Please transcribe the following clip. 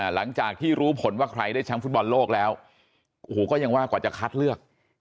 หลังจากที่รู้ผลว่าใครได้แชมป์ฟุตบอลโลกแล้วโอ้โหก็ยังว่ากว่าจะคัดเลือก